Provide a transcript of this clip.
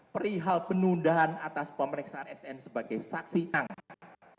perihal penundaan atas pemeriksaan sn sebagai saksi angkat